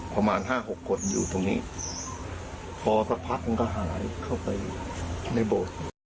ประมาณห้าหกคนอยู่ตรงนี้พอสักพักหนึ่งก็หายเข้าไปในโบสถ์